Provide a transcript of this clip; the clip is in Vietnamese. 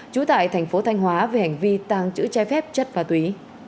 trú tại thành phố thanh hóa về hành vi tàng trữ chai phép chất và túy